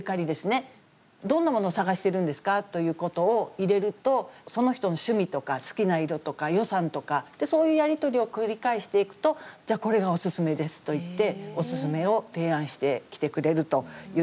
どんなもの探してるんですかということを入れるとその人の趣味とか好きな色とか予算とかそういうやり取りを繰り返していくとじゃあこれがオススメですといってオススメを提案してきてくれるというサービス。